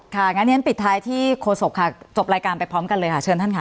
งั้นเรียนปิดท้ายที่โฆษกค่ะจบรายการไปพร้อมกันเลยค่ะเชิญท่านค่ะ